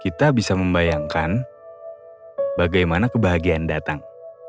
kita bisa membayangkan bagaimana kebahagiaan datang